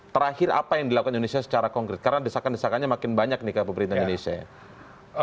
terakhir apa yang dilakukan indonesia secara konkret karena desakan desakannya makin banyak nih ke pemerintah indonesia ya